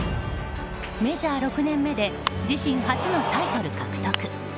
メジャー６年目で自身初のタイトル獲得。